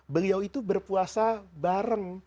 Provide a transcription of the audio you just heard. beliau itu berpuasa bareng